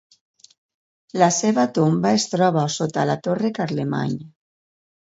La seva tomba es troba sota la torre Carlemany.